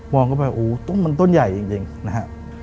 องเข้าไปโอ้ต้นมันต้นใหญ่จริงนะฮะ